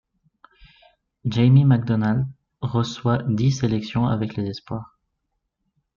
Jamie MacDonald reçoit dix sélections avec les espoirs.